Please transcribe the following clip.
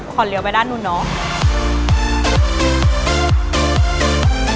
เลี้ยวไปด้านนู้นเนาะ